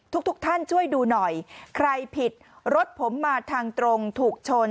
ทุกท่านช่วยดูหน่อยใครผิดรถผมมาทางตรงถูกชน